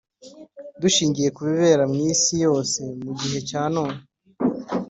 Dushingiye ku bibera mu isi yose mu gihe cya none